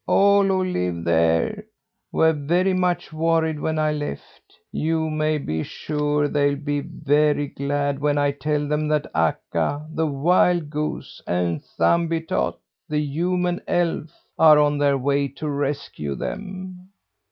All who live there were very much worried when I left. You may be sure they'll be very glad when I tell them that Akka, the wild goose, and Thumbietot, the human elf, are on their way to rescue them."